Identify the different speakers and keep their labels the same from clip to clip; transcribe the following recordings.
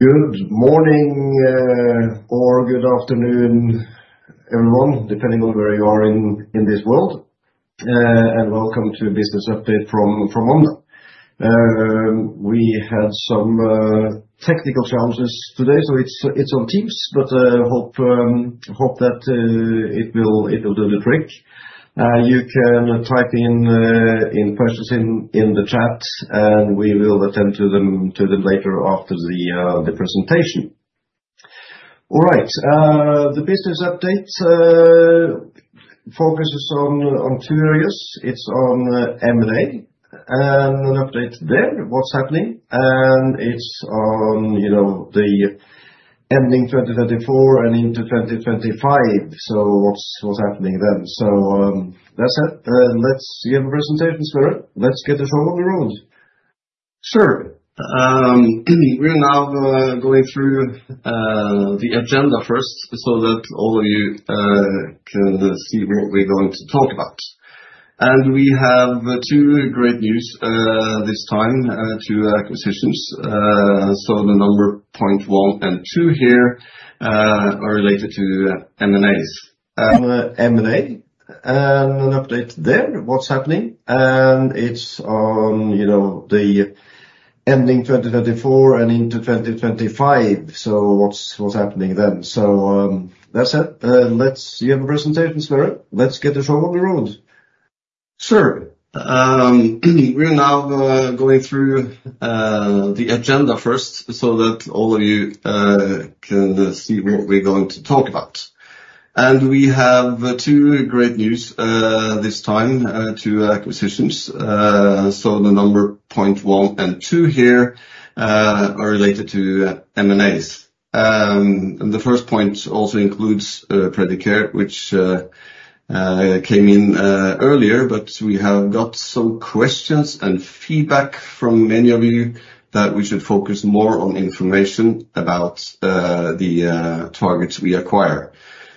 Speaker 1: Good morning, or good afternoon, everyone, depending on where you are in this world, and welcome to a business update from Omda. We had some technical challenges today, so it's on Teams, but hope that it will do the trick. You can type in questions in the chat, and we will attend to them later after the presentation. All right, the business update focuses on two areas. It's on M&A and an update there, what's happening, and it's on, you know, the ending 2024 and into 2025. So what's happening then? So, that's it. Let's give a presentation, Sverre. Let's get the show on the road. Sure. We're now going through the agenda first so that all of you can see what we're going to talk about. And we have two great news this time, two acquisitions. So the number point one and two here are related to M&As. On M&A and an update there, what's happening. And it's on, you know, the ending 2024 and into 2025. So what's happening then? So, that's it. Let's give a presentation, Sverre. Let's get the show on the road. Sure, we're now going through the agenda first so that all of you can see what we're going to talk about, and we have two great news this time, two acquisitions, so the number point one and two here are related to M&As, and the first point also includes Predicare, which came in earlier, but we have got some questions and feedback from many of you that we should focus more on information about the targets we acquire,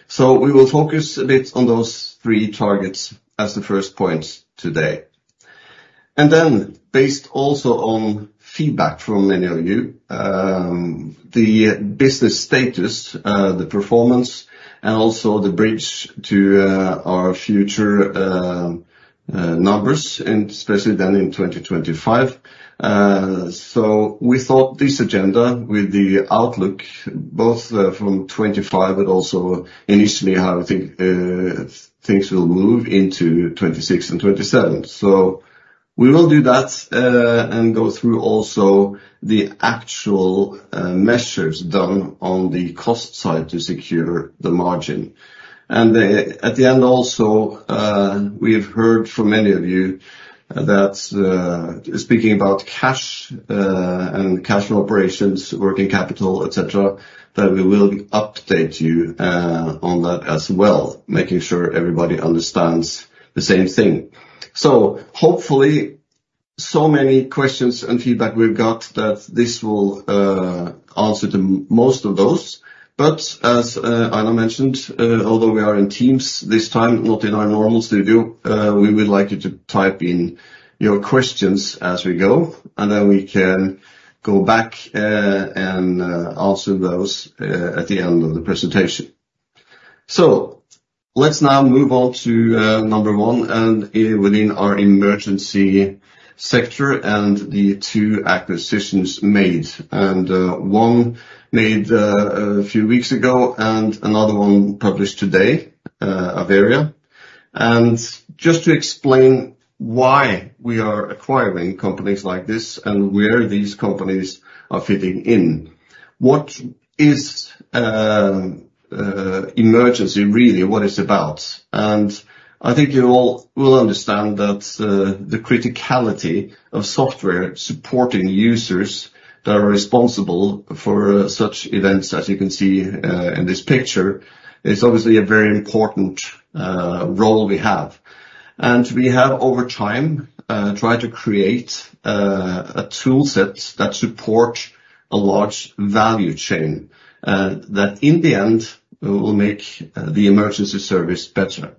Speaker 1: so we will focus a bit on those three targets as the first point today, and then based also on feedback from many of you, the business status, the performance, and also the bridge to our future numbers, and especially then in 2025, so we thought this agenda with the outlook both from 2025 but also initially how I think things will move into 2026 and 2027. So we will do that and go through also the actual measures done on the cost side to secure the margin, and at the end also we've heard from many of you that speaking about cash and cash operations, working capital, etc., that we will update you on that as well, making sure everybody understands the same thing, so hopefully so many questions and feedback we've got that this will answer the most of those, but as Einar mentioned, although we are in Teams this time, not in our normal studio, we would like you to type in your questions as we go, and then we can go back and answer those at the end of the presentation, so let's now move on to number one and within our emergency sector and the two acquisitions made, and one made a few weeks ago and another one published today, Averia. And just to explain why we are acquiring companies like this and where these companies are fitting in. What is emergency really? What is it about? And I think you all will understand that the criticality of software supporting users that are responsible for such events, as you can see in this picture, is obviously a very important role we have. And we have over time tried to create a toolset that supports a large value chain that in the end will make the emergency service better.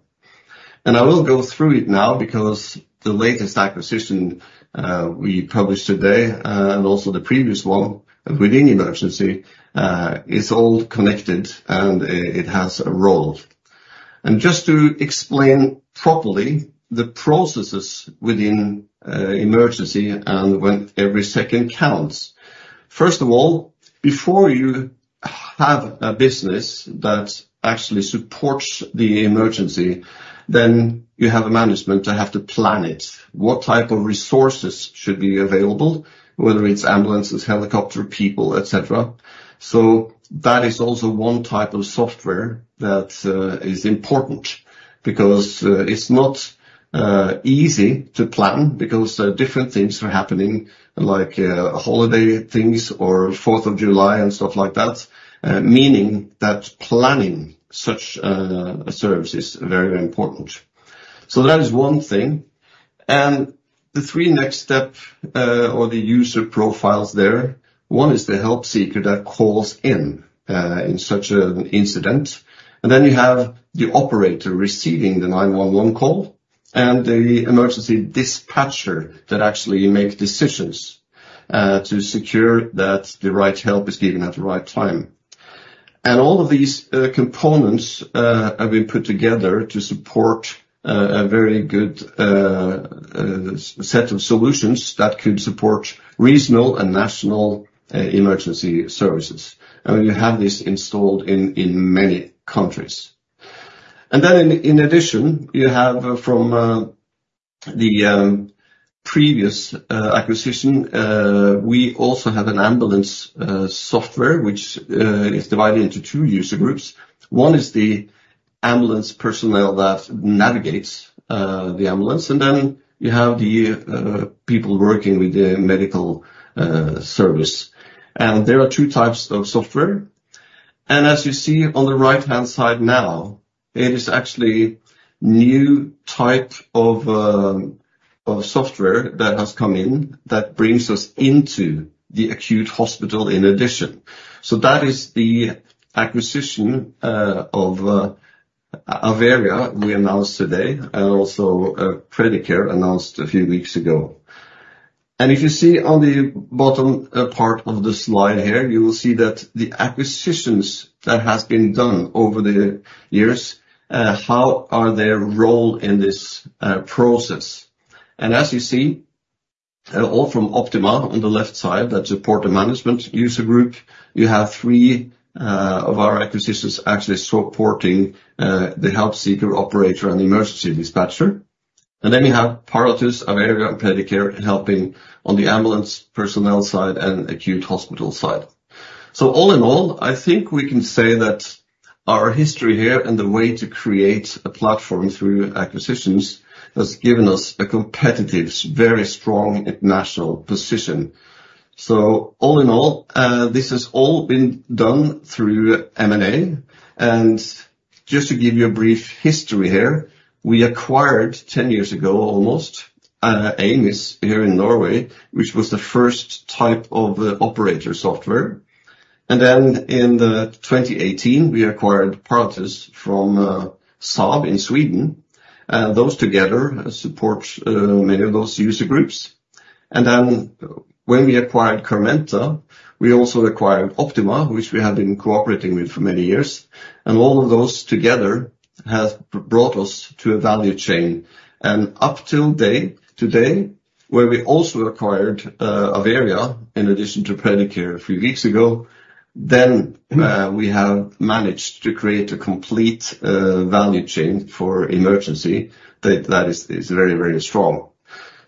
Speaker 1: And I will go through it now because the latest acquisition we published today, and also the previous one within emergency, is all connected and it has a role. And just to explain properly the processes within emergency and when every second counts. First of all, before you have a business that actually supports the emergency, then you have a management to have to plan it. What type of resources should be available, whether it's ambulances, helicopter people, etc. That is also one type of software that is important because it's not easy to plan because different things are happening, like holiday things or fourth of July and stuff like that, meaning that planning such services is very, very important, so that is one thing, and the three next steps, or the user profiles there, one is the help seeker that calls in in such an incident, and then you have the operator receiving the 911 call and the emergency dispatcher that actually makes decisions to secure that the right help is given at the right time. And all of these components have been put together to support a very good set of solutions that could support regional and national emergency services. We have this installed in many countries. And then in addition, you have from the previous acquisition we also have an ambulance software which is divided into two user groups. One is the ambulance personnel that navigates the ambulance. And then you have the people working with the medical service. And there are two types of software. And as you see on the right-hand side now, it is actually a new type of software that has come in that brings us into the acute hospital in addition. So that is the acquisition of Averia we announced today and also Predicare announced a few weeks ago. And if you see on the bottom part of the slide here, you will see that the acquisitions that have been done over the years, how are their role in this process. And as you see, all from Optima on the left side that support the management user group, you have three of our acquisitions actually supporting the help seeker operator and the emergency dispatcher. And then you have Paratus, Averia, and Predicare helping on the ambulance personnel side and acute hospital side. So all in all, I think we can say that our history here and the way to create a platform through acquisitions has given us a competitive, very strong national position. So all in all, this has all been done through M&A. Just to give you a brief history here, we acquired 10 years ago almost, AMIS here in Norway, which was the first type of operator software. Then in 2018, we acquired Paratus from Saab in Sweden. Those together support many of those user groups. Then when we acquired Carmenta, we also acquired Optima, which we have been cooperating with for many years. All of those together have brought us to a value chain. Up till today, where we also acquired Averia in addition to Predicare a few weeks ago, we have managed to create a complete value chain for emergency that is very, very strong.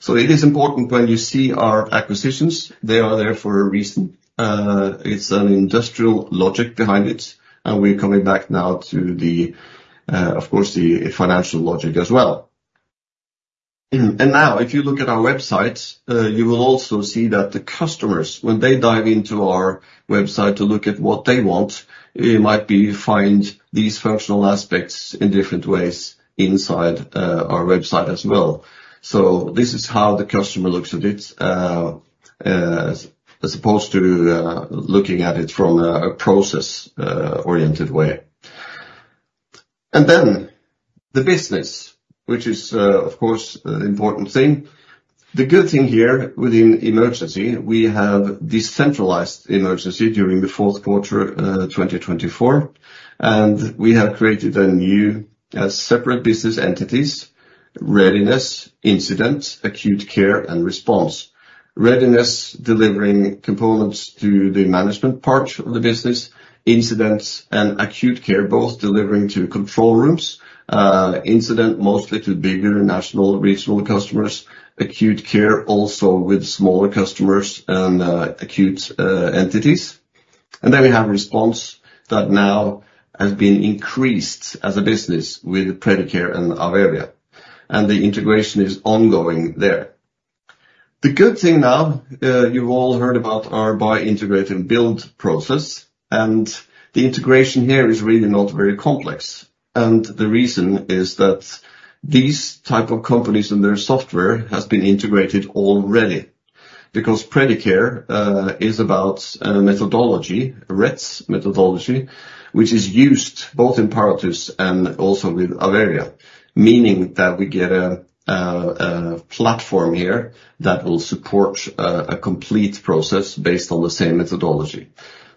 Speaker 1: It is important when you see our acquisitions; they are there for a reason. There is an industrial logic behind it. We are coming back now to, of course, the financial logic as well. And now, if you look at our website, you will also see that the customers, when they dive into our website to look at what they want, they might find these functional aspects in different ways inside our website as well. So this is how the customer looks at it, as opposed to looking at it from a process-oriented way. And then the business, which is, of course, an important thing. The good thing here within emergency, we have decentralized emergency during the fourth quarter 2024. And we have created a new separate business entities, Readiness, Incident, Acute Care, and Response. Readiness delivering components to the management part of the business, Incident and Acute Care both delivering to control rooms, Incident mostly to bigger national regional customers, Acute Care also with smaller customers and acute entities. Then we have Response that now has been increased as a business with Predicare and Averia. The integration is ongoing there. The good thing now, you've all heard about our buy, integrate, and build process. The integration here is really not very complex. The reason is that these type of companies and their software has been integrated already because Predicare is about a methodology, the RETTS methodology, which is used both in Paratus and also with Averia, meaning that we get a platform here that will support a complete process based on the same methodology.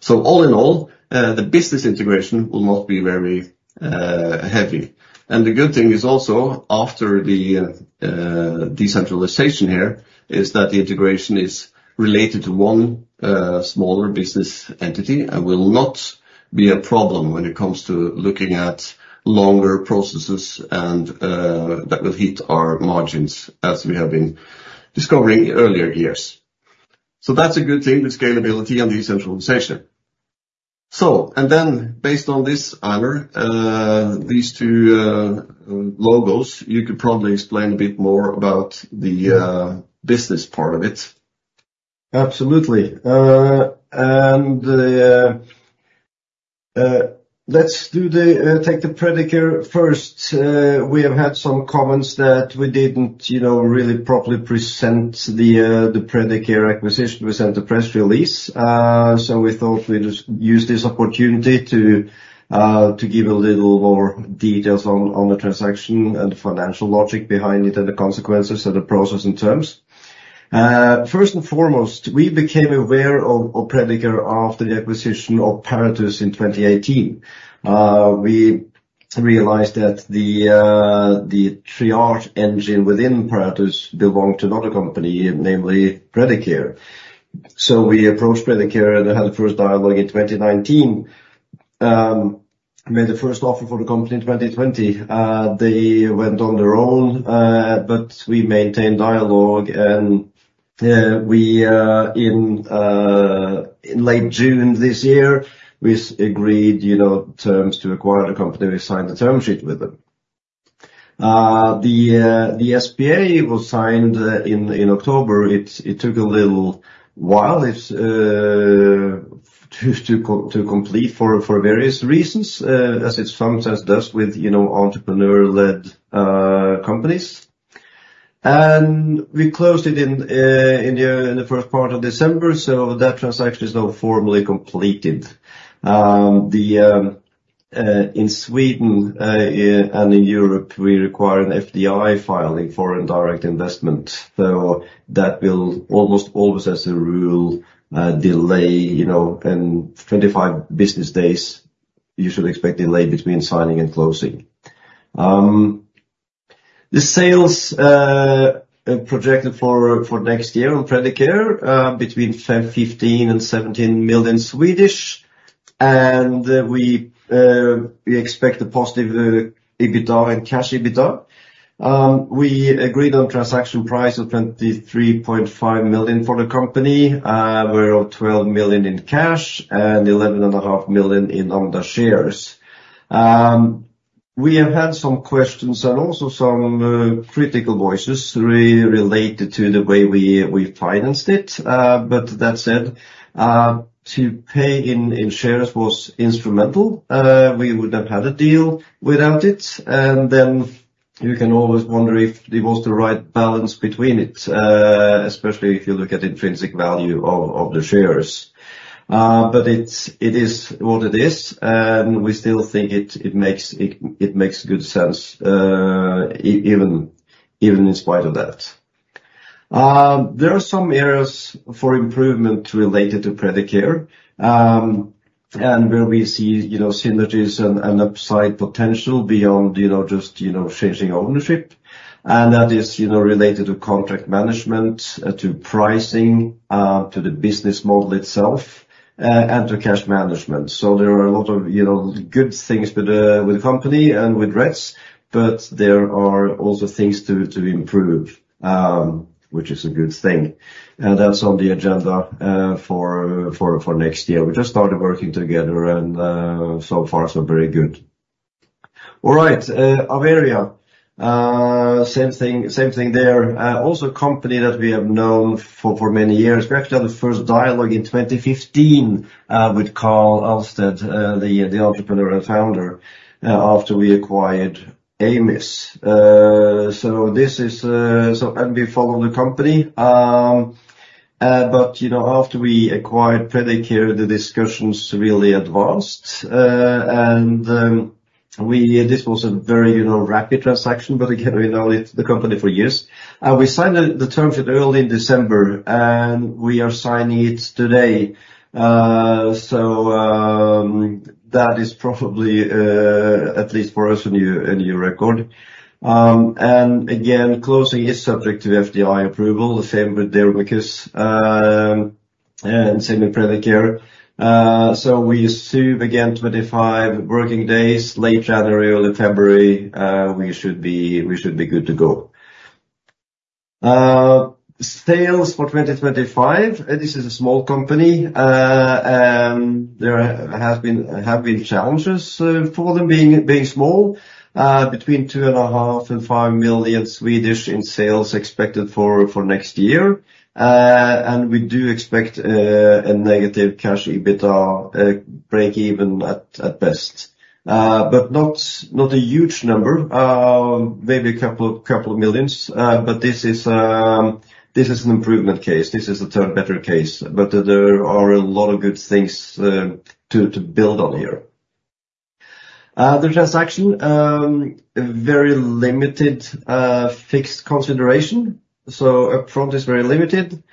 Speaker 1: All in all, the business integration will not be very heavy. The good thing is also after the decentralization here is that the integration is related to one smaller business entity and will not be a problem when it comes to looking at longer processes and that will hit our margins as we have been discovering earlier years. That's a good thing with scalability and decentralization. Then based on this, Einar, these two logos, you could probably explain a bit more about the business part of it. Absolutely. Let's take the Predicare first. We have had some comments that we didn't, you know, really properly present the Predicare acquisition. We sent a press release. So we thought we'd use this opportunity to give a little more details on the transaction and the financial logic behind it and the consequences and the process and terms. First and foremost, we became aware of Predicare after the acquisition of Paratus in 2018. We realized that the triage engine within Paratus belonged to another company, namely Predicare. So we approached Predicare and had the first dialogue in 2019, made the first offer for the company in 2020. They went on their own, but we maintained dialogue and in late June this year, we agreed, you know, terms to acquire the company. We signed the term sheet with them. The SPA was signed in October. It took a little while to complete for various reasons, as it sometimes does with, you know, entrepreneur-led companies. And we closed it in the first part of December. So that transaction is now formally completed. In Sweden, and in Europe, we require an FDI filing for a direct investment. So that will almost always, as a rule, delay, you know, and 25 business days. You should expect delay between signing and closing. The sales projected for next year on Predicare between 15 and 17 million SEK. And we expect a positive EBITDA and cash EBITDA. We agreed on transaction price of 23.5 million SEK for the company, whereof 12 million SEK in cash and 11.5 million in Omda shares. We have had some questions and also some critical voices related to the way we financed it, but that said, to pay in shares was instrumental. We wouldn't have had a deal without it, and then you can always wonder if it was the right balance between it, especially if you look at intrinsic value of the shares, but it's what it is, and we still think it makes good sense, even in spite of that. There are some areas for improvement related to Predicare, and where we see you know synergies and upside potential beyond you know just you know changing ownership, and that is you know related to contract management, to pricing, to the business model itself, and to cash management. So there are a lot of, you know, good things with the company and with RETTS, but there are also things to improve, which is a good thing. And that's on the agenda for next year. We just started working together and, so far, so very good. All right, Averia, same thing, same thing there. Also a company that we have known for many years. We actually had the first dialogue in 2015 with Carl Ahlstedt, the entrepreneur and founder, after we acquired AMIS. So this is, and we follow the company. But, you know, after we acquired Predicare, the discussions really advanced. And this was a very, you know, rapid transaction, but again, we know the company for years. And we signed the term sheet early in December and we are signing it today. That is probably, at least for us, a new, a new record. Again, closing is subject to FDI approval, the same with Dermicus, and same with Predicare. We assume again 25 working days, late January, early February. We should be, we should be good to go. Sales for 2025. This is a small company. There has been, have been challenges for them being, being small, between 2.5 and 5 million SEK in sales expected for, for next year. We do expect a negative Cash EBITDA, break even at, at best. But not, not a huge number, maybe a couple, couple of million SEK. But this is, this is an improvement case. This is a turn better case. But there are a lot of good things, to, to build on here. The transaction, very limited fixed consideration. Upfront is very limited.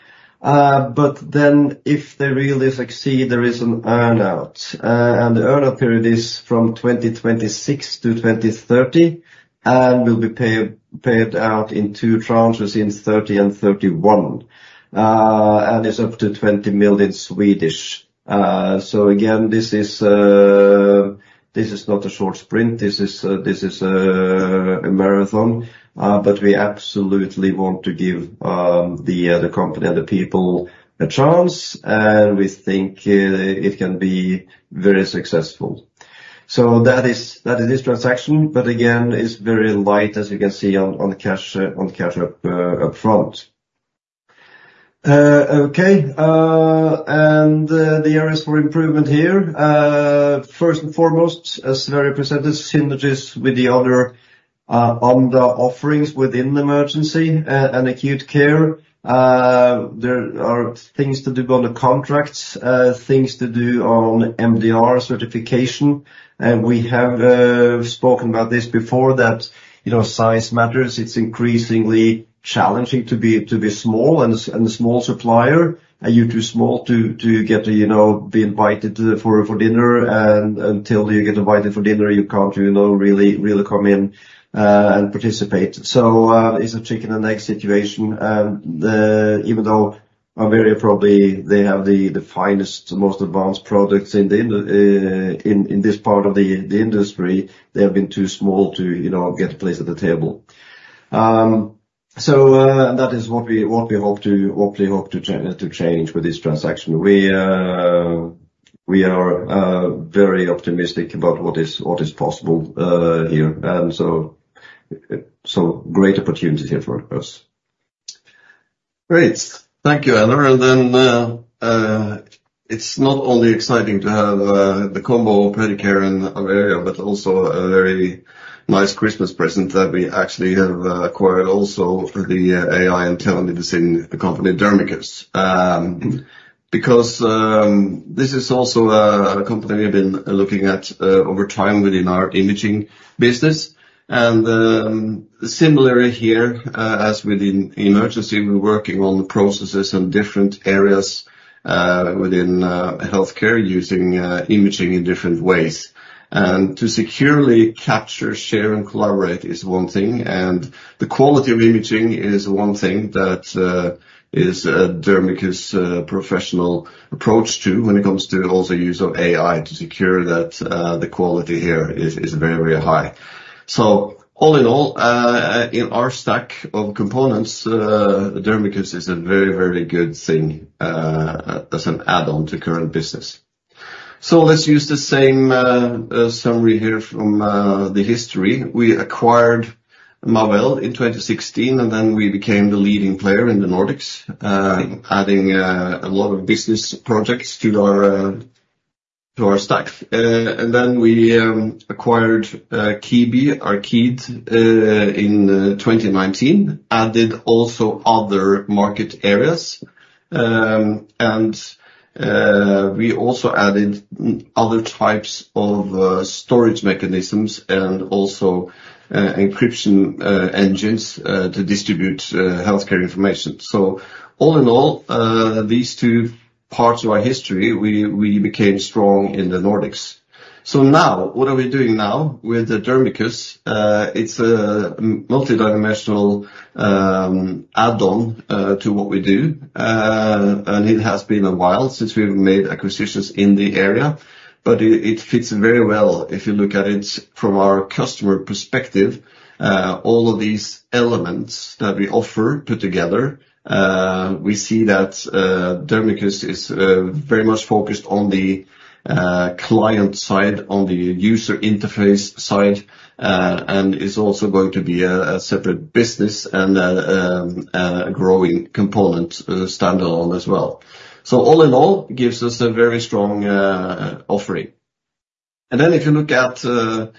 Speaker 1: But then if they really succeed, there is an earn-out. And the earn-out period is from 2026 to 2030 and will be paid, paid out in two tranches in 2030 and 2031. And it's up to 20 million. So again, this is, this is not a short sprint. This is, this is, a marathon. But we absolutely want to give, the, the company and the people a chance. And we think, it can be very successful. So that is, that is this transaction. But again, it's very light, as you can see on, on cash, on cash up, upfront. Okay. And, the areas for improvement here, first and foremost, as Very presented synergies with the other, Omda offerings within the emergency and acute care. There are things to do on the contracts, things to do on MDR certification. And we have spoken about this before that, you know, size matters. It's increasingly challenging to be small and a small supplier. Are you too small to get, you know, be invited for dinner? And until you get invited for dinner, you can't, you know, really come in and participate. So, it's a chicken and egg situation. And even though Averia probably they have the finest most advanced products in this part of the industry, they have been too small to, you know, get a place at the table. So, that is what we hope to change with this transaction. We are very optimistic about what is possible here. And so great opportunity here for us. Great. Thank you, Einar. And then, it's not only exciting to have the combo of Predicare and Averia, but also a very nice Christmas present that we actually have acquired also the AI and telemedicine company Dermicus, because this is also a company we've been looking at over time within our imaging business. Similarly here, as within emergency, we're working on processes and different areas within healthcare using imaging in different ways. And to securely capture, share, and collaborate is one thing. And the quality of imaging is one thing that is a Dermicus professional approach to when it comes to also use of AI to secure that the quality here is very, very high. So all in all, in our stack of components, Dermicus is a very, very good thing as an add-on to current business. So let's use the same summary here from the history. We acquired Mawell in 2016, and then we became the leading player in the Nordics, adding a lot of business projects to our stack. And then we acquired KIBI in 2019, added also other market areas. And we also added other types of storage mechanisms and also encryption engines to distribute healthcare information. So all in all, these two parts of our history, we became strong in the Nordics. So now what are we doing now with the Dermicus? It's a multidimensional add-on to what we do. And it has been a while since we've made acquisitions in the area, but it fits very well if you look at it from our customer perspective. All of these elements that we offer put together, we see that Dermicus is very much focused on the client side, on the user interface side, and is also going to be a separate business and a growing component, standalone as well. So all in all gives us a very strong offering. And then if you look at the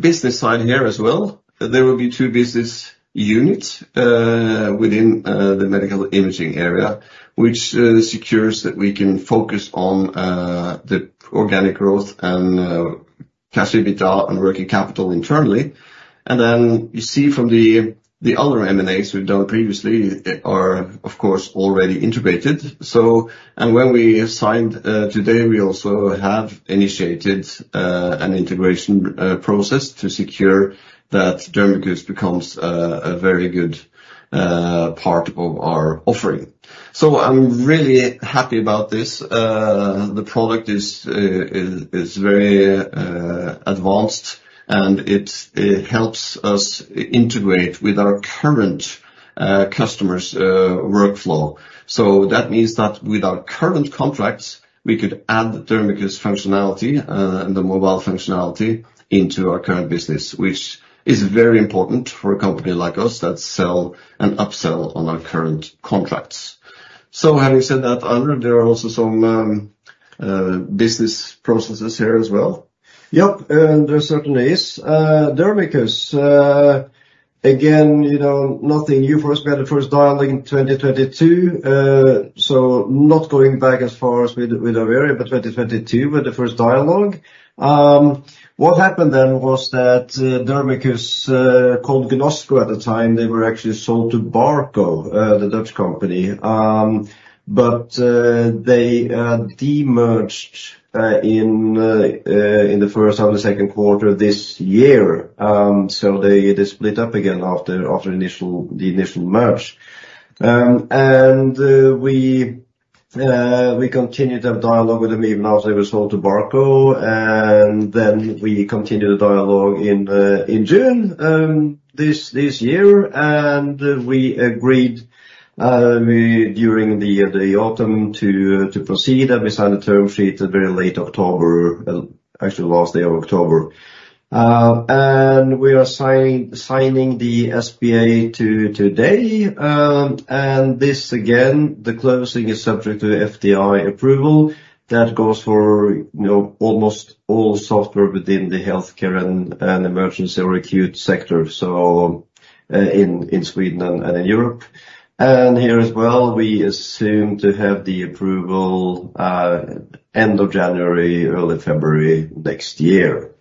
Speaker 1: business side here as well, there will be two business units within the medical imaging area, which secures that we can focus on the organic growth and Cash EBITDA and working capital internally. And then you see from the other M&As we've done previously are, of course, already integrated. So and when we signed today, we also have initiated an integration process to secure that Dermicus becomes a very good part of our offering. So I'm really happy about this.
Speaker 2: The product is very advanced and it helps us integrate with our current customers' workflow. So that means that with our current contracts, we could add Dermicus functionality, and the mobile functionality into our current business, which is very important for a company like us that sell and upsell on our current contracts. So having said that, Einar, there are also some business processes here as well. Yep, and there certainly is. Dermicus, again, you know, nothing new for us. We had the first dialogue in 2022, so not going back as far as with Averia, but 2022 with the first dialogue. What happened then was that Dermicus, called Gnosco at the time, they were actually sold to Barco, the Dutch company, but they de-merged in the first half of the second quarter of this year. They split up again after the initial merge. We continued to have dialogue with them even after they were sold to Barco. Then we continued the dialogue in June this year. We agreed during the autumn to proceed. We signed the term sheet very late October, actually last day of October. We are signing the SPA today. This again, the closing is subject to FDI approval. That goes for, you know, almost all software within the healthcare and emergency or acute sector. So in Sweden and in Europe. Here as well, we assume to have the approval end of January, early February next year.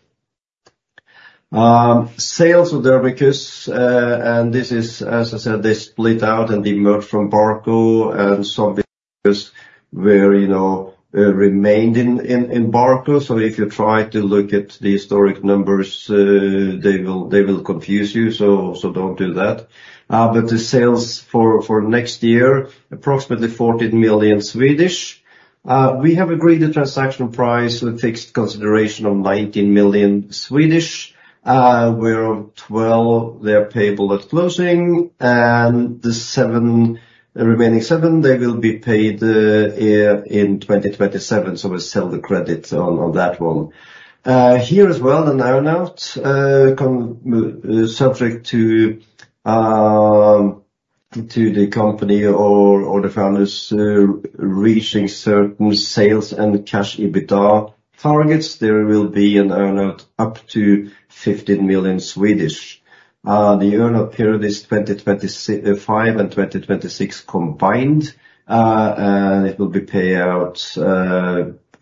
Speaker 2: Sales of Dermicus, and this is, as I said, they split out and de-merged from Barco and some because where, you know, remained in Barco. So if you try to look at the historic numbers, they will confuse you. So don't do that. But the sales for next year, approximately 14 million SEK. We have agreed the transaction price with fixed consideration of 19 million SEK, whereof 12 million are payable at closing. And the remaining seven, they will be paid in 2027. So we'll seller credit on that one. Here as well, an earn-out, subject to the company or the founders reaching certain sales and cash EBITDA targets, there will be an earn-out up to 15 million SEK. The earn-out period is 2025 and 2026 combined. And it will be paid out,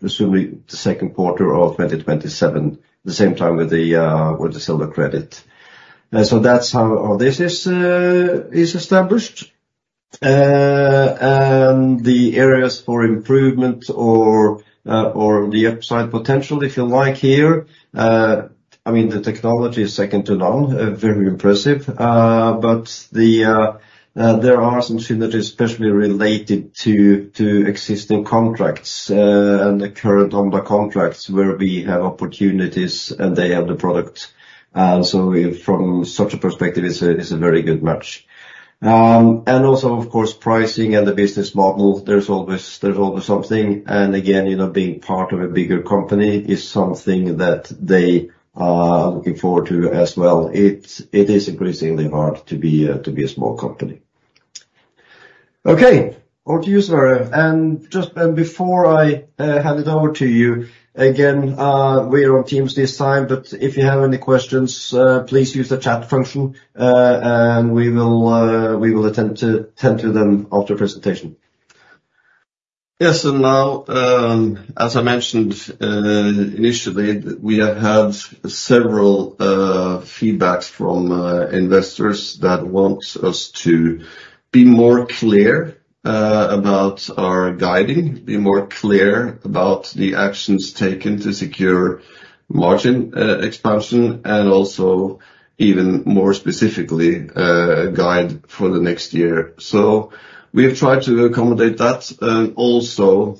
Speaker 2: assuming the second quarter of 2027, the same time with the seller credit. So that's how this is established. The areas for improvement or the upside potential, if you like here, I mean, the technology is second to none, very impressive. But there are some synergies especially related to existing contracts, and the current Omda contracts where we have opportunities and they have the product. So from such a perspective, it's a very good match. Also, of course, pricing and the business model, there's always something. And again, you know, being part of a bigger company is something that they are looking forward to as well. It is increasingly hard to be a small company. Okay. Over to you, Sverre. Just before I hand it over to you again, we're on Teams this time, but if you have any questions, please use the chat function. We will attend to them after the presentation. Yes, and now, as I mentioned, initially, we have had several feedbacks from investors that want us to be more clear about our guidance, be more clear about the actions taken to secure margin expansion, and also even more specifically, guidance for the next year, so we have tried to accommodate that and also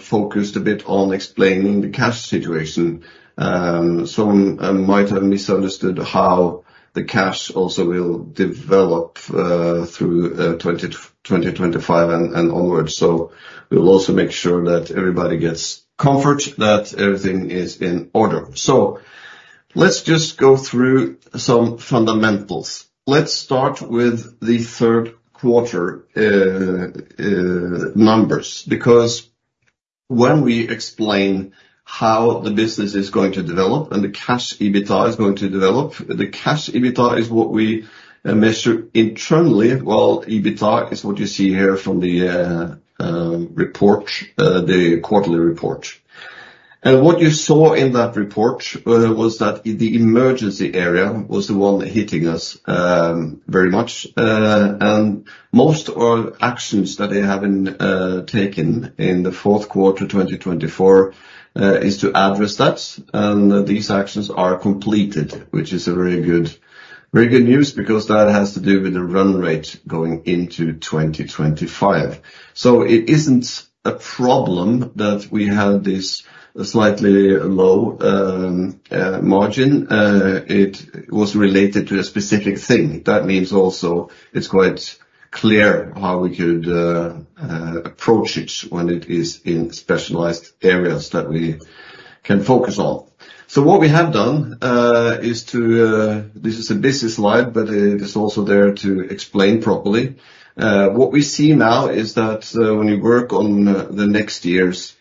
Speaker 2: focused a bit on explaining the cash situation. Some might have misunderstood how the cash also will develop through 2025 and onwards, so we'll also make sure that everybody gets comfort that everything is in order, so let's just go through some fundamentals. Let's start with the third quarter numbers, because when we explain how the business is going to develop and the cash EBITDA is going to develop, the cash EBITDA is what we measure internally, well, EBITDA is what you see here from the report, the quarterly report. And what you saw in that report was that the emergency area was the one hitting us very much. Most of our actions that they have been taken in the fourth quarter 2024 is to address that. These actions are completed, which is a very good, very good news because that has to do with the run rate going into 2025. It isn't a problem that we had this slightly low margin. It was related to a specific thing. That means also it's quite clear how we could approach it when it is in specialized areas that we can focus on. What we have done is to. This is a business slide, but it is also there to explain properly. What we see now is that, when you work on next year's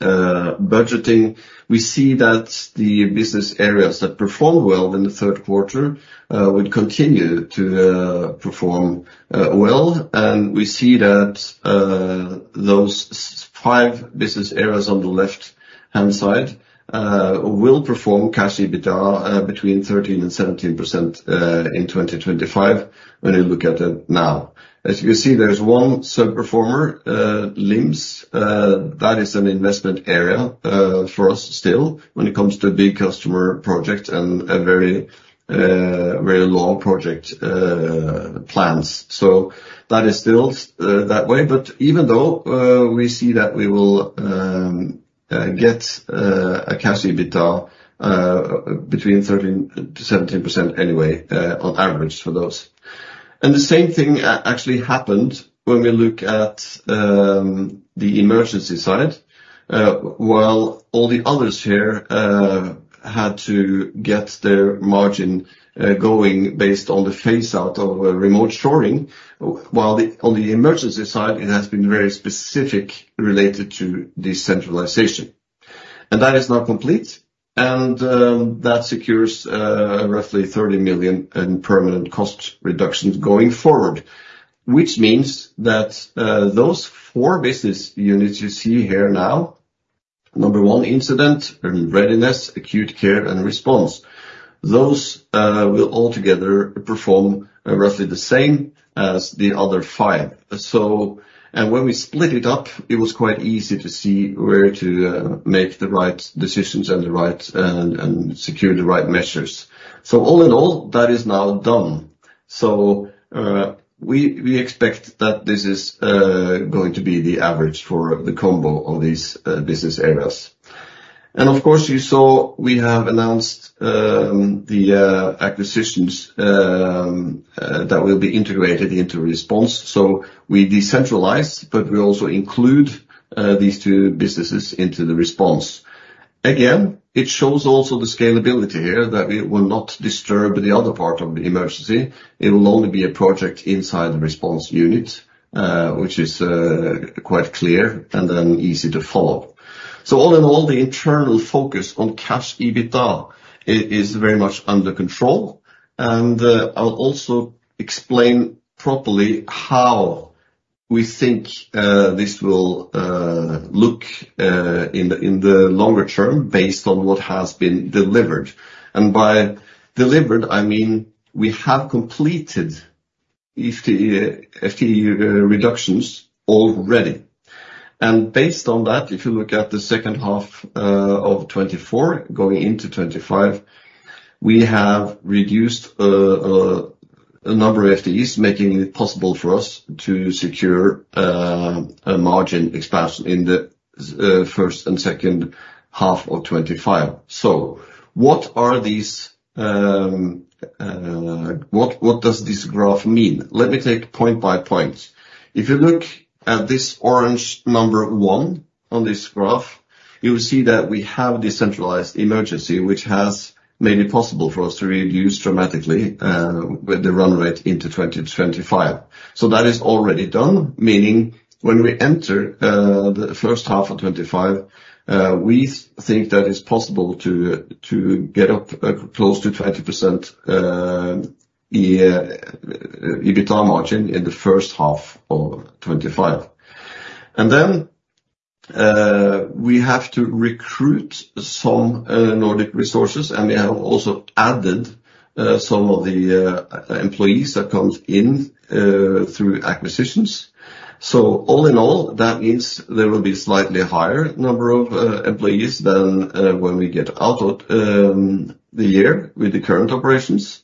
Speaker 2: budgeting, we see that the business areas that performed well in the third quarter would continue to perform well. We see that those five business areas on the left-hand side will perform cash EBITDA between 13%-17% in 2025 when you look at it now. As you can see, there's one sub-performer, LIMS, that is an investment area for us still when it comes to big customer projects and a very, very long project plans. So that is still that way. But even though we see that we will get a cash EBITDA between 13%-17% anyway, on average for those. The same thing actually happened when we look at the emergency side. While all the others here had to get their margin going based on the phase-out of remote shoring, while on the emergency side it has been very specific related to decentralization, and that is now complete, and that secures roughly 30 million in permanent cost reductions going forward, which means that those four business units you see here now, number one Incident and Readiness, Acute Care and Response, those will altogether perform roughly the same as the other five, so and when we split it up it was quite easy to see where to make the right decisions and secure the right measures. So all in all, that is now done, so we expect that this is going to be the average for the combo of these business areas. And of course you saw we have announced the acquisitions that will be integrated into Response. So we decentralize, but we also include these two businesses into the response. Again, it shows also the scalability here that we will not disturb the other part of the emergency. It will only be a project inside the response unit, which is quite clear and then easy to follow. So all in all, the internal focus on cash EBITDA is very much under control. And I'll also explain properly how we think this will look in the longer term based on what has been delivered. And by delivered, I mean we have completed FTE, FTE reductions already. And based on that, if you look at the second half of 2024 going into 2025, we have reduced a number of FTEs making it possible for us to secure a margin expansion in the first and second half of 2025. So what are these, what does this graph mean? Let me take point by point. If you look at this orange number one on this graph, you will see that we have decentralized emergency, which has made it possible for us to reduce dramatically, with the run rate into 2025. That is already done, meaning when we enter the first half of 2025, we think that it's possible to get up close to 20% EBITDA margin in the first half of 2025. Then, we have to recruit some Nordic resources, and we have also added some of the employees that come in through acquisitions. All in all, that means there will be a slightly higher number of employees than when we get out of the year with the current operations.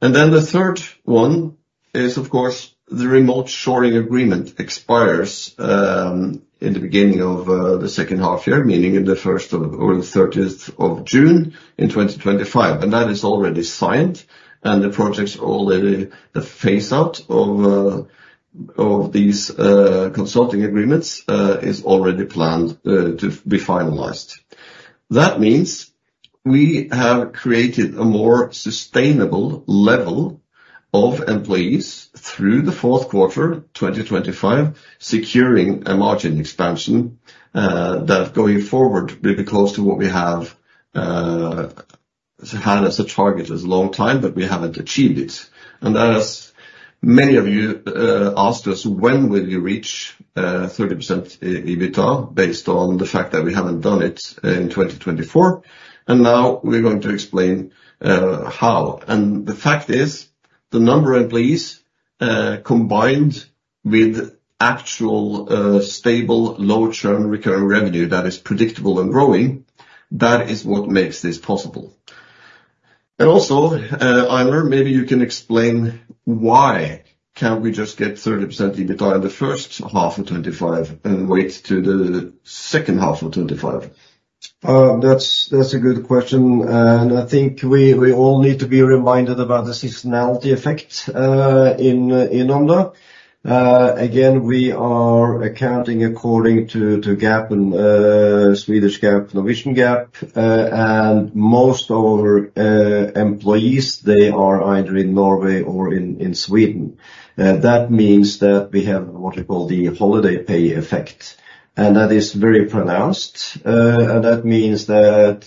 Speaker 2: Then the third one is, of course, the remote shoring agreement expires in the beginning of the second half year, meaning in the first of or the 30th of June in 2025, and that is already signed, and the projects are already the phaseout of of these consulting agreements is already planned to be finalized. That means we have created a more sustainable level of employees through the fourth quarter 2025, securing a margin expansion that going forward will be close to what we have had as a target as a long time, but we haven't achieved it, and that has many of you asked us when will you reach 30% EBITDA based on the fact that we haven't done it in 2024, and now we're going to explain how. The fact is the number of employees, combined with actual, stable low-turn recurring revenue that is predictable and growing, that is what makes this possible. Also, Einar, maybe you can explain why can't we just get 30% EBITDA in the first half of 2025 and wait to the second half of 2025?
Speaker 1: That's a good question. I think we all need to be reminded about the seasonality effect in Omda. Again, we are accounting according to GAAP and Swedish GAAP Norwegian GAAP, and most of our employees they are either in Norway or in Sweden. That means that we have what we call the holiday pay effect. That is very pronounced, and that means that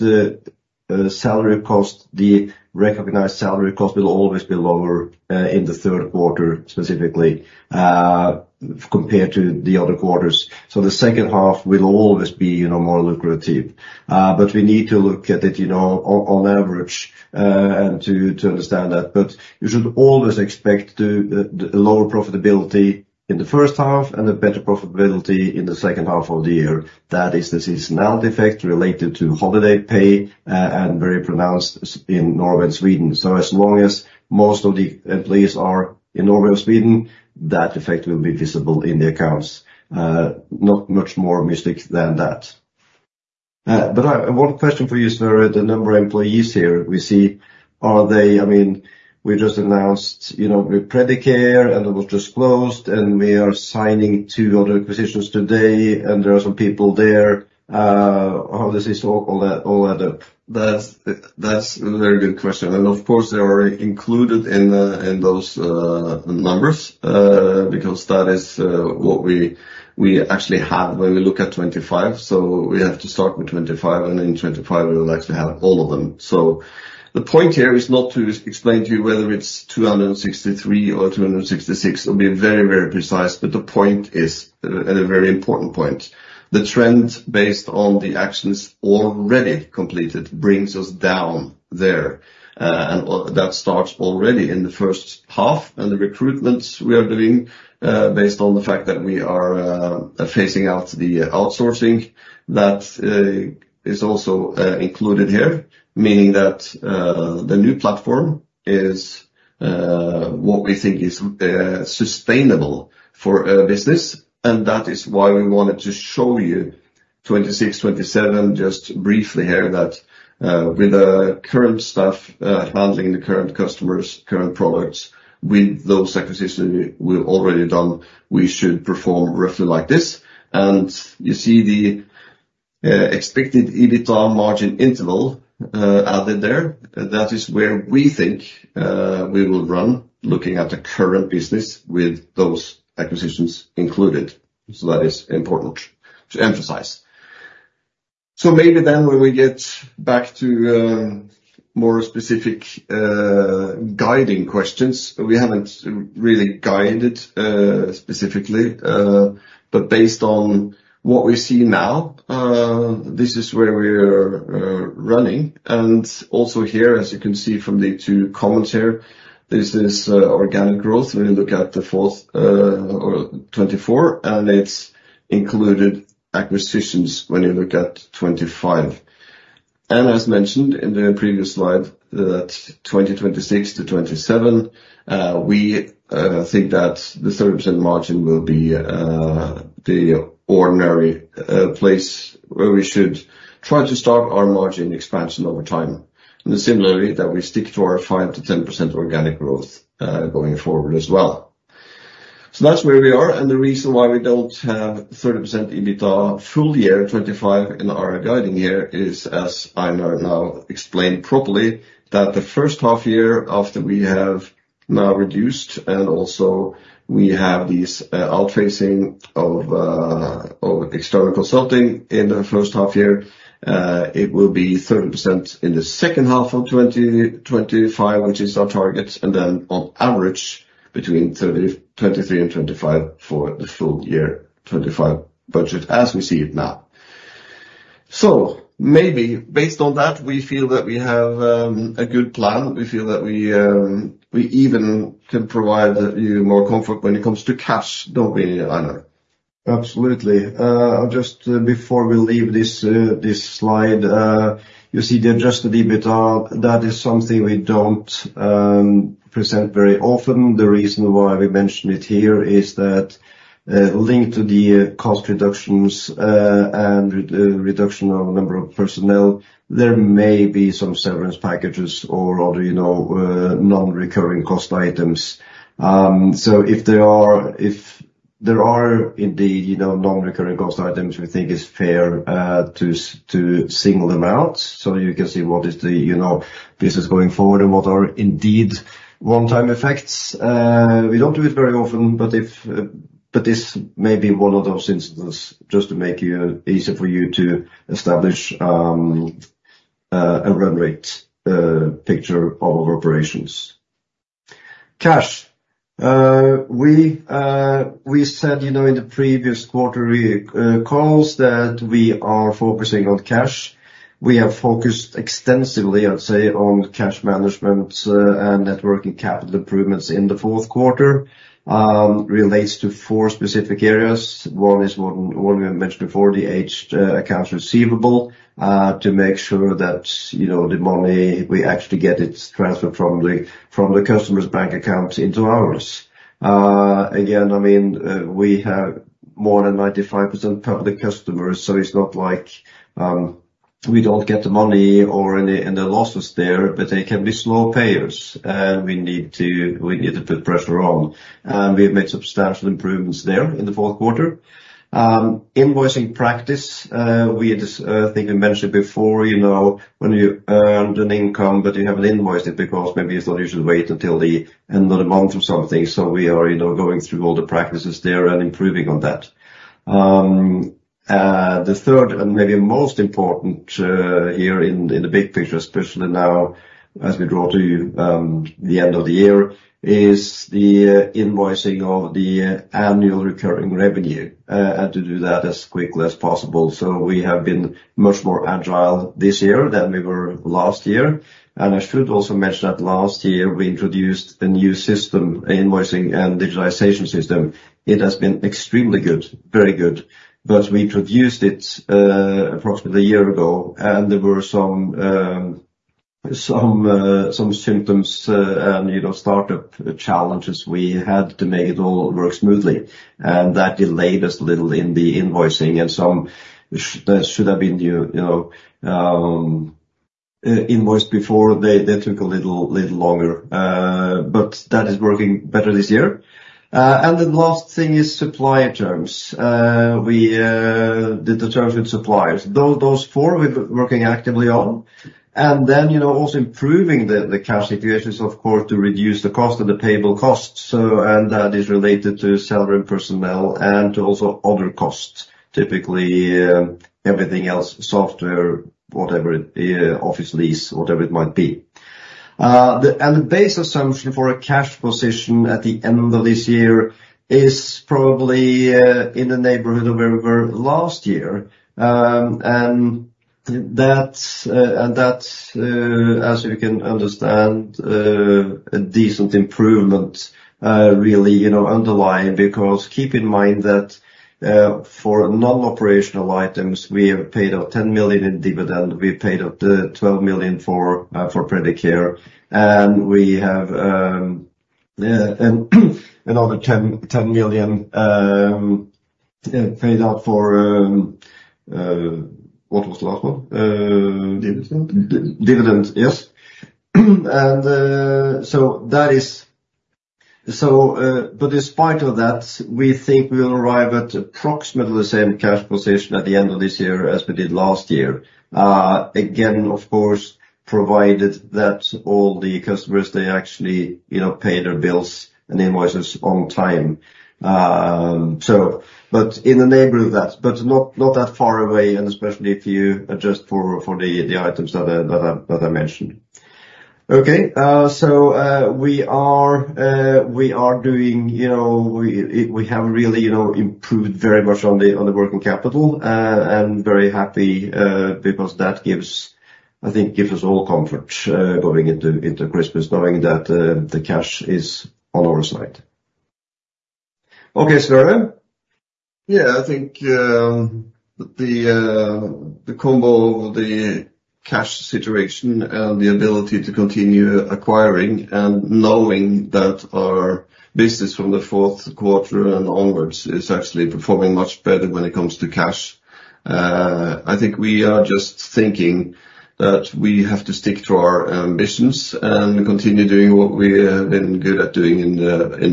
Speaker 1: the salary cost, the recognized salary cost will always be lower in the third quarter specifically, compared to the other quarters. So the second half will always be, you know, more lucrative, but we need to look at it, you know, on average, and to understand that. You should always expect a lower profitability in the first half and a better profitability in the second half of the year. That is the seasonality effect related to holiday pay, and very pronounced in Norway and Sweden. So as long as most of the employees are in Norway or Sweden, that effect will be visible in the accounts. Not much more mystic than that. But I have one question for you, Sverre. The number of employees here we see, are they, I mean, we just announced, you know, we're Predicare and it was just closed and we are signing two other acquisitions today and there are some people there. How does this all add up?
Speaker 2: That's a very good question. And of course, they are included in those numbers, because that is what we actually have when we look at 2025. So we have to start with 2025 and in 2025 we will actually have all of them. So the point here is not to explain to you whether it's 263 or 266. It'll be very, very precise, but the point is a very important point. The trend based on the actions already completed brings us down there, and that starts already in the first half and the recruitments we are doing, based on the fact that we are phasing out the outsourcing. That is also included here, meaning that the new platform is what we think is sustainable for a business. That is why we wanted to show you 2026, 2027 just briefly here that with the current staff, handling the current customers, current products with those acquisitions we've already done, we should perform roughly like this. You see the expected EBITDA margin interval added there. That is where we think we will run looking at the current business with those acquisitions included. That is important to emphasize. Maybe then when we get back to more specific guiding questions, we haven't really guided specifically, but based on what we see now, this is where we are running. Also here, as you can see from the two comments here, this is organic growth when you look at the fourth or 2024, and it's included acquisitions when you look at 2025. As mentioned in the previous slide, that 2026 to 2027, we think that the 30% margin will be the ordinary place where we should try to start our margin expansion over time. Similarly that we stick to our 5-10% organic growth, going forward as well. That's where we are. The reason why we don't have 30% EBITDA full year 2025 in our guidance is, as Einar now explained properly, that the first half year after we have now reduced and also we have these phasing out of external consulting in the first half year, it will be 30% in the second half of 2025, which is our target. Then on average between 2023 and 2025 for the full year 2025 budget as we see it now. Maybe based on that, we feel that we have a good plan. We feel that we even can provide you more comfort when it comes to cash, don't we, Einar?
Speaker 1: Absolutely. Just before we leave this slide, you see the adjusted EBITDA. That is something we don't present very often. The reason why we mention it here is that, linked to the cost reductions and reduction of the number of personnel, there may be some severance packages or you know, non-recurring cost items. If there are indeed you know, non-recurring cost items, we think it's fair to single them out. You can see what the you know, business going forward and what are indeed one-time effects. We don't do it very often, but this may be one of those instances just to make it easier for you to establish a run rate picture of our operations. Cash, we said you know, in the previous quarterly calls that we are focusing on cash. We have focused extensively, I'd say, on cash management and working capital improvements in the fourth quarter. This relates to four specific areas. One is what we mentioned before, the aged accounts receivable, to make sure that, you know, the money we actually get is transferred from the customer's bank account into ours. Again, I mean, we have more than 95% public customers. So it's not like we don't get the money or any losses there, but they can be slow payers and we need to put pressure on. And we've made substantial improvements there in the fourth quarter. Invoicing practice, we think we mentioned before, you know, when you earned an income, but you haven't invoiced it because maybe it's not usually wait until the end of the month or something. So we are, you know, going through all the practices there and improving on that. The third and maybe most important, here in the big picture, especially now as we draw to the end of the year is the invoicing of the annual recurring revenue, and to do that as quickly as possible. So we have been much more agile this year than we were last year. And I should also mention that last year we introduced a new system, an invoicing and digitization system. It has been extremely good, very good, but we introduced it approximately a year ago and there were some symptoms and, you know, startup challenges we had to make it all work smoothly. And that delayed us a little in the invoicing and some should have been, you know, invoiced before. They took a little longer, but that is working better this year, and the last thing is supplier terms, we did the terms with suppliers. Those four we're working actively on, and then, you know, also improving the cash situations, of course, to reduce the cost of the payable costs. So, and that is related to salary and personnel and to also other costs, typically, everything else, software, whatever, office lease, whatever it might be, and the base assumption for a cash position at the end of this year is probably in the neighborhood of where we were last year, and that, as you can understand, a decent improvement, really, you know, underlying because keep in mind that, for non-operational items, we have paid out 10 million in dividend. We paid out the 12 million for Predicare. We have another 10 million paid out for what was the last one?
Speaker 2: Dividend.
Speaker 1: Dividend, yes and so that is but despite all that, we think we'll arrive at approximately the same cash position at the end of this year as we did last year. Again, of course, provided that all the customers they actually you know pay their bills and invoices on time, so but in the neighborhood of that but not that far away. And especially if you adjust for the items that I mentioned. Okay. So we are doing you know we have really you know improved very much on the working capital and very happy because that gives I think gives us all comfort going into Christmas knowing that the cash is on our side. Okay, Sverre. Yeah, I think the combo of the cash situation and the ability to continue acquiring and knowing that our business from the fourth quarter and onwards is actually performing much better when it comes to cash. I think we are just thinking that we have to stick to our ambitions and continue doing what we have been good at doing in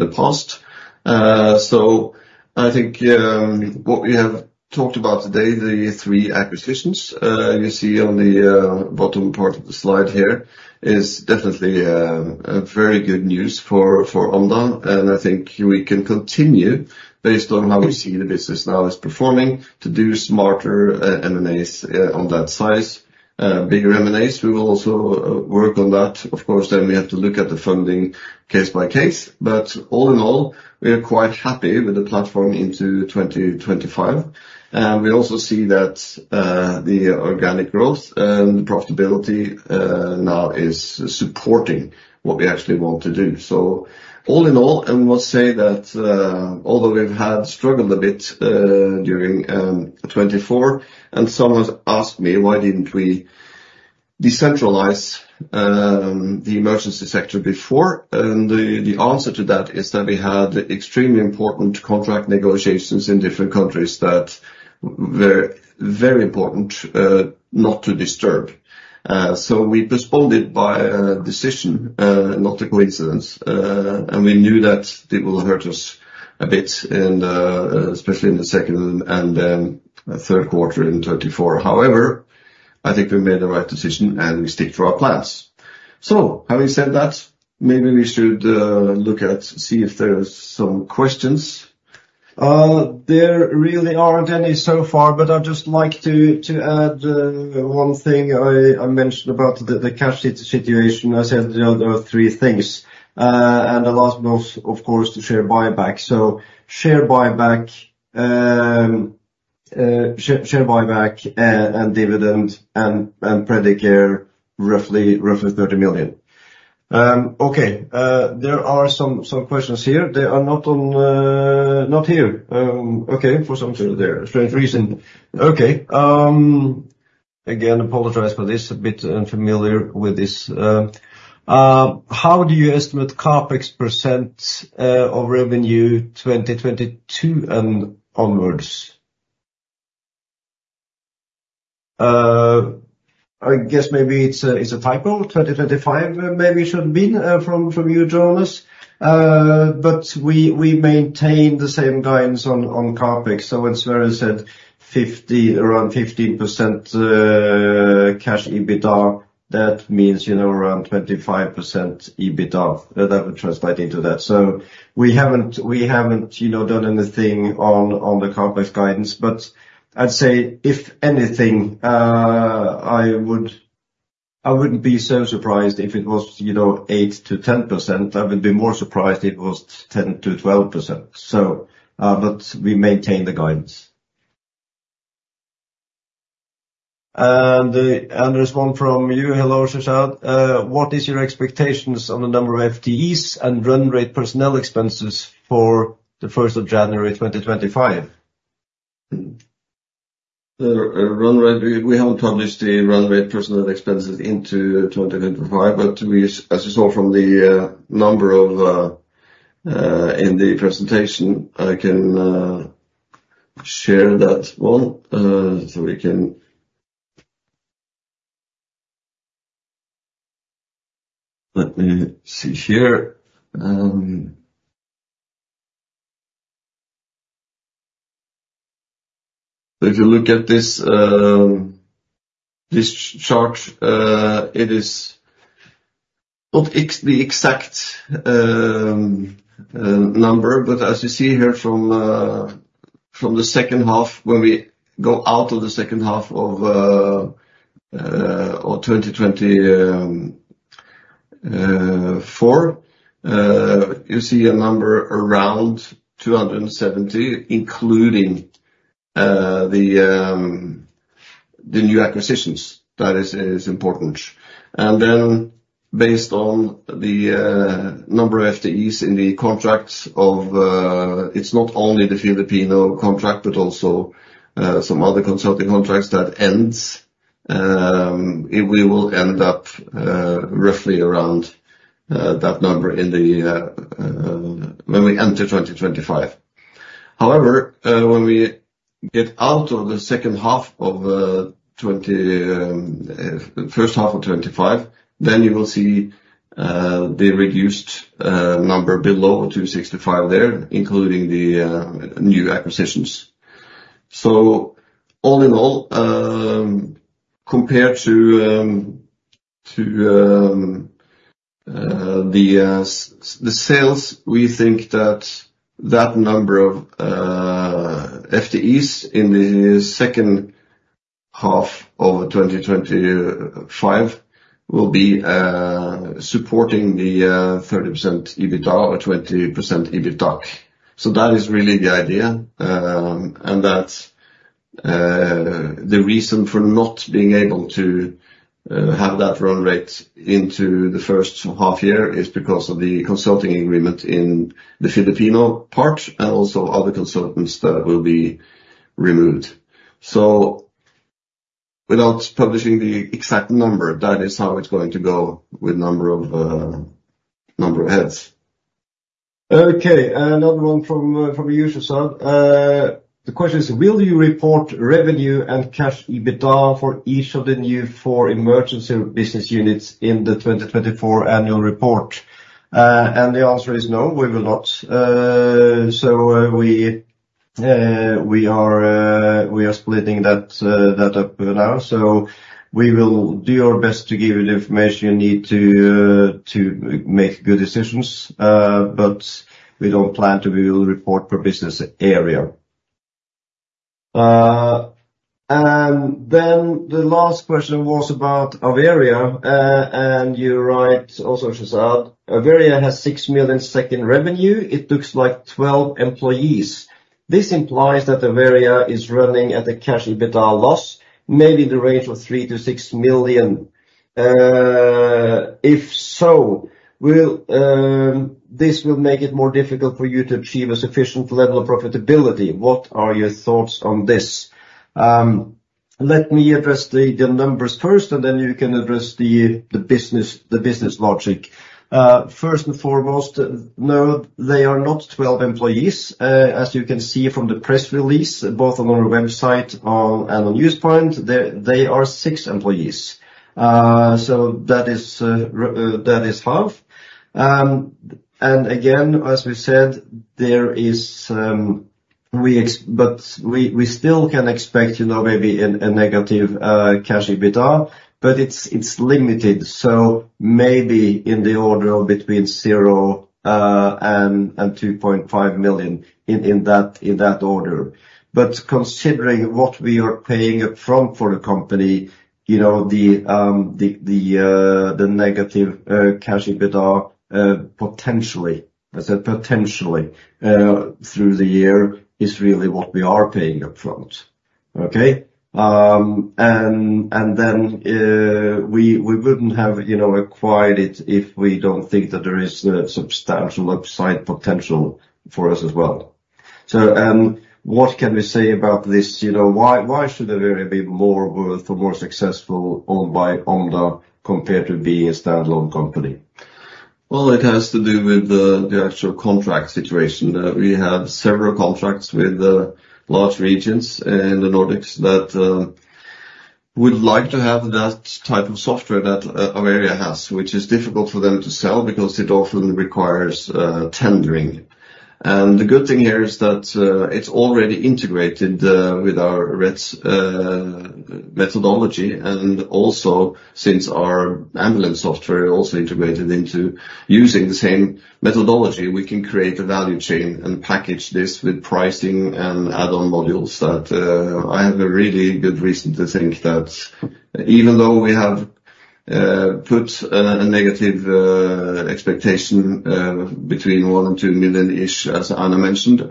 Speaker 1: the past, so I think what we have talked about today, the three acquisitions you see on the bottom part of the slide here, is definitely very good news for Omda, and I think we can continue based on how we see the business now is performing to do smarter M&As on that size, bigger M&As. We will also work on that, of course, then we have to look at the funding case by case. All in all, we are quite happy with the platform into 2025. We also see that the organic growth and the profitability now is supporting what we actually want to do. All in all, I must say that although we've had struggled a bit during 2024 and someone asked me why didn't we decentralize the emergency sector before. The answer to that is that we had extremely important contract negotiations in different countries that were very important not to disturb. We postponed it by a decision, not a coincidence. We knew that it will hurt us a bit in especially in the second and third quarter in 2024. However, I think we made the right decision and we stick to our plans. Having said that, maybe we should look at see if there's some questions. There really aren't any so far, but I'd just like to add one thing I mentioned about the cash situation. I said there are three things, and the last one was, of course, the share buyback. So share buyback and dividend and Predicare roughly 30 million. Okay. There are some questions here. They are not here. Okay. For some strange reason. Okay. Again, I apologize for this. A bit unfamiliar with this. How do you estimate CapEx % of revenue 2022 and onwards? I guess maybe it's a typo 2025. Maybe it shouldn't be from you journalists. But we maintain the same guidance on CapEx. So when Sverre said 50, around 15% Cash EBITDA, that means, you know, around 25% EBITDA that would translate into that. We haven't you know done anything on the CapEx guidance, but I'd say if anything, I would, I wouldn't be so surprised if it was, you know, 8%-10%. I would be more surprised if it was 10%-12%. So but we maintain the guidance. And there's one from you. Hello, Shahzad. What is your expectations on the number of FTEs and run rate personnel expenses for the 1st of January 2025? The run rate, we haven't published the run rate personnel expenses into 2025, but as you saw from the number of in the presentation, I can share that one. So we can let me see here. If you look at this chart, it is not the exact number, but as you see here from the second half, when we go out of the second half of 2024, you see a number around 270, including the new acquisitions. That is important. And then based on the number of FTEs in the contract, it's not only the Filipino contract, but also some other consulting contracts that ends, we will end up roughly around that number when we enter 2025. However, when we get out of the second half of 2024, first half of 2025, then you will see the reduced number below 265 there, including the new acquisitions. So all in all, compared to the sales, we think that that number of FTEs in the second half of 2025 will be supporting the 30% EBITDA or 20% EBITDA. That is really the idea, and the reason for not being able to have that run rate into the first half year is because of the consulting agreement in the Filipino part and also other consultants that will be removed. Without publishing the exact number, that is how it's going to go with number of heads. Okay. Another one from you, Shahzad. The question is, will you report revenue and cash EBITDA for each of the new four emergency business units in the 2024 annual report? The answer is no, we will not. We are splitting that up now. So we will do our best to give you the information you need to, to make good decisions. But we don't plan to, we will report per business area. And then the last question was about Averia. And you write also, Shahzad, Averia has 6 million SEK revenue. It looks like 12 employees. This implies that Averia is running at a cash EBITDA loss, maybe in the range of 3-6 million. If so, this will make it more difficult for you to achieve a sufficient level of profitability. What are your thoughts on this? Let me address the numbers first, and then you can address the business logic. First and foremost, no, they are not 12 employees. As you can see from the press release, both on our website and on NewsPoint, they are six employees. So that is half. Again, as we said, there is, but we still can expect, you know, maybe a negative Cash EBITDA, but it's limited. So maybe in the order of between zero and 2.5 million NOK in that order. But considering what we are paying upfront for the company, you know, the negative Cash EBITDA, potentially, I said potentially, through the year is really what we are paying upfront. Okay. And then, we wouldn't have, you know, acquired it if we don't think that there is a substantial upside potential for us as well. So, what can we say about this? You know, why should Averia be more worth or more successful owned by Omda compared to being a standalone company? Well, it has to do with the actual contract situation. We have several contracts with large regions in the Nordics that would like to have that type of software that Averia has, which is difficult for them to sell because it often requires tendering. And the good thing here is that it's already integrated with our RETS methodology. And also, since our ambulance software is also integrated into using the same methodology, we can create a value chain and package this with pricing and add-on modules that I have a really good reason to think that even though we have put a negative expectation between 1 million and 2 million-ish, as Anna mentioned,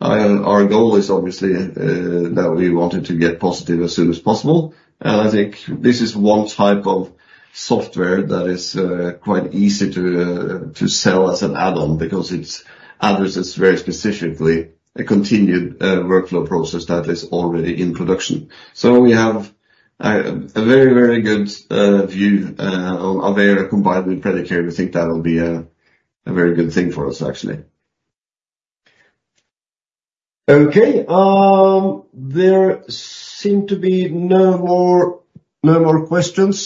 Speaker 1: our goal is obviously that we wanted to get positive as soon as possible. And I think this is one type of software that is quite easy to sell as an add-on because it addresses very specifically a continued workflow process that is already in production. So we have a very good view on Averia combined with Predicare. We think that'll be a very good thing for us, actually. Okay. There seem to be no more questions.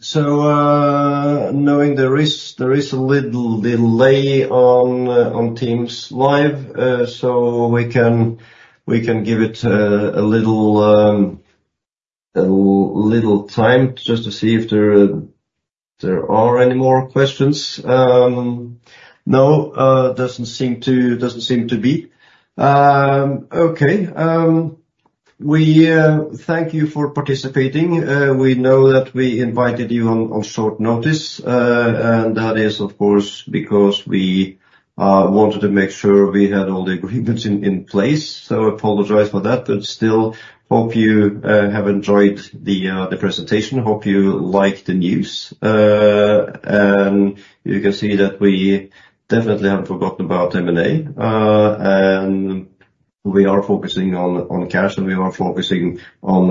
Speaker 1: So, knowing there is a little delay on Teams Live, we can give it a little time just to see if there are any more questions. No, doesn't seem to be. Okay. We thank you for participating. We know that we invited you on short notice. That is, of course, because we wanted to make sure we had all the agreements in place. So I apologize for that, but still hope you have enjoyed the presentation. Hope you like the news. You can see that we definitely haven't forgotten about M&A. We are focusing on cash and we are focusing on.